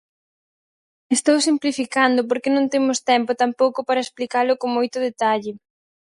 Estou simplificando porque non temos tempo tampouco para explicalo con moito detalle.